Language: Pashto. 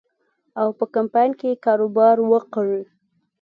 او په کمپاین کې کاروبار وکړي.